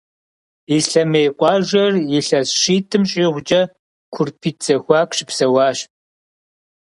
Ислъэмей къуажэр илъэс щитӏым щӏигъукӏэ Курпитӏ зэхуаку щыпсэуащ.